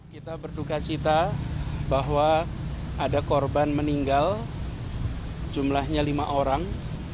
kita berdukacita bahwa ada korban meninggal jumlahnya lima orang